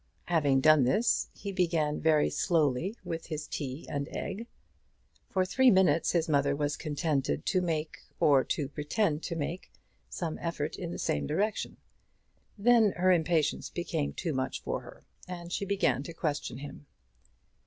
Having done this, he began very slowly with his tea and egg. For three minutes his mother was contented to make, or to pretend to make, some effort in the same direction. Then her impatience became too much for her, and she began to question him.